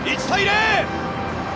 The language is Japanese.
１対０！